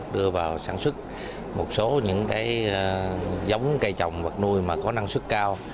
đưa vào sản xuất một số những cái giống cây trồng vật nuôi mà có năng suất cao